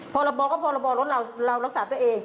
พอระบอนะคะพอระบอเรารักษาตัวเอง